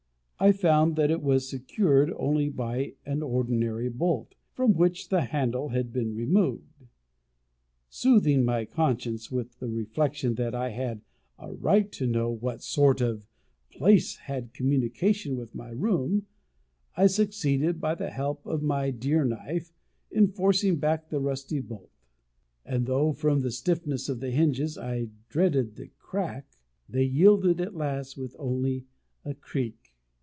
I found that it was secured only by an ordinary bolt, from which the handle had been removed. Soothing my conscience with the reflection that I had a right to know what sort of place had communication with my room, I succeeded, by the help of my deer knife, in forcing back the rusty bolt; and though, from the stiffness of the hinges, I dreaded a crack, they yielded at last with only a creak.